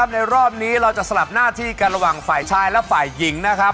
ในรอบนี้เราจะสลับหน้าที่กันระหว่างฝ่ายชายและฝ่ายหญิงนะครับ